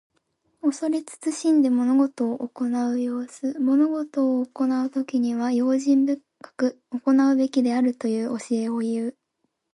恐れ慎んで物事を行う様子。物事を行うときには、用心深く行うべきであるという教えをいう。